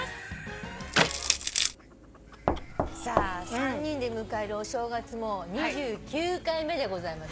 ３人で迎えるお正月も２９回目でございます。